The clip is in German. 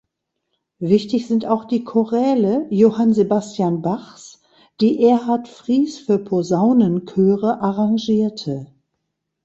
Wichtig sind auch die Choräle Johann Sebastian Bachs, die Erhard Frieß für Posaunenchöre arrangierte.